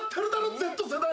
Ｚ世代！